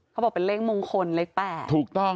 เขาบอกเป็นเลขมงคลเลข๘